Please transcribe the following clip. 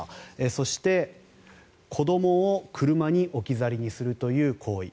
そして、子どもを車に置き去りにするという行為。